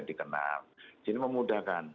dikenal jadi memudahkan